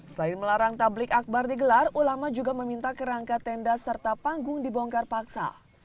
selain melarang tablik akbar digelar ulama juga meminta kerangka tenda serta panggung dibongkar paksa